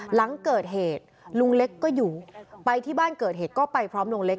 หลังเกิดเหตุลุงเล็กก็อยู่ไปที่บ้านเกิดเหตุก็ไปพร้อมลุงเล็ก